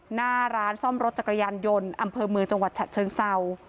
หน้าร้านซ่อมรถจักรยานยนต์อำเภอเมืองจังหวัดฉะเชิงเศร้า